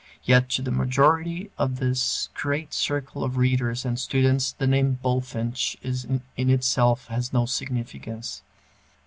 Yet to the majority of this great circle of readers and students the name Bulfinch in itself has no significance.